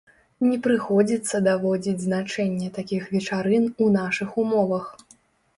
Не прыходзіцца даводзіць значэнне такіх вечарын у нашых умовах.